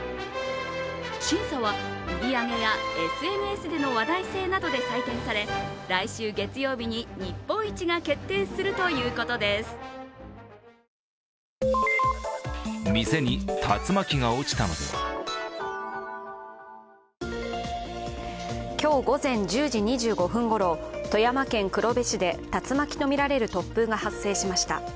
審査は売り上げやＳＮＳでの話題性などで採点され来週月曜日に日本一が決定するということです今日午前１０時２５分ごろ、富山県黒部市で竜巻とみられる突風が発生しました。